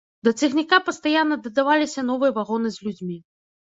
Да цягніка пастаянна дадаваліся новыя вагоны з людзьмі.